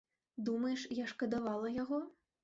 Думаеш, я шкадавала яго?